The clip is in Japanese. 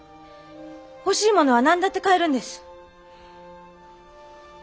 欲しいものは何だって買えるんです。